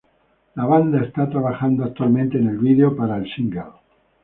La banda está trabajando actualmente en el video para el single.